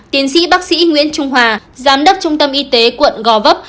tiến sĩ bác sĩ nguyễn trung hòa giám đốc trung tâm y tế quận gò vấp